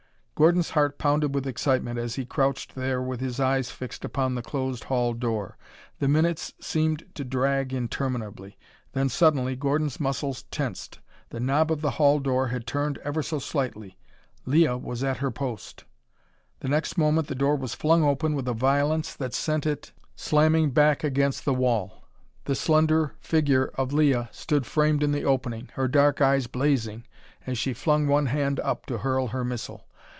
Gordon's heart pounded with excitement as he crouched there with his eyes fixed upon the closed hall door. The minutes seemed to drag interminably. Then suddenly Gordon's muscles tensed. The knob of the hall door had turned ever so slightly. Leah was at her post! The next moment the door was flung open with a violence that sent it slamming back against the wall. The slender figure of Leah stood framed in the opening, her dark eyes blazing as she flung one hand up to hurl her missile.